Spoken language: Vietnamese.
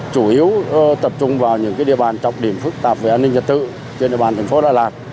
chủ yếu tập trung vào những địa bàn trọng điểm phức tạp về an ninh trật tự trên địa bàn thành phố đà lạt